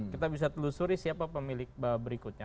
kita bisa telusuri siapa pemilik berikutnya